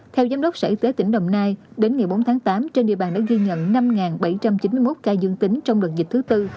theo giám đốc sở y tế tỉnh đồng nai đến ngày bốn tháng tám trên địa bàn đã ghi nhận năm bảy trăm chín mươi một ca dương tính trong đợt dịch thứ tư